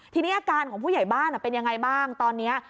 ทีนี้อาการของผู้ใหญ่บ้านเป็นยังไงบ้างตอนนี้